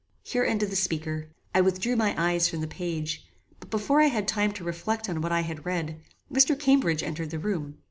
Here ended the speaker. I withdrew my eyes from the page; but before I had time to reflect on what I had read, Mr. Cambridge entered the room.